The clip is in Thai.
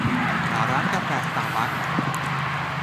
หาร้านกาแฟสตาร์บักส์